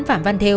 phạm văn thêu